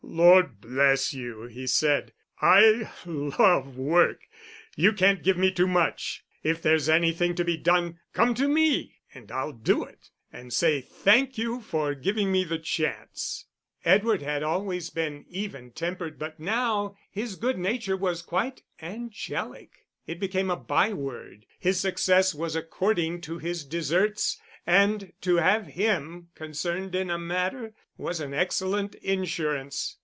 "Lord bless you," he said, "I love work. You can't give me too much. If there's anything to be done, come to me and I'll do it, and say thank you for giving me the chance." Edward had always been even tempered, but now his good nature was quite angelic. It became a byword. His success was according to his deserts, and to have him concerned in a matter was an excellent insurance.